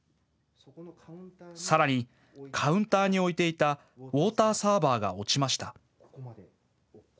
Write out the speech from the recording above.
さらにカウンターに置いていたウォーターサーバーが落ちました。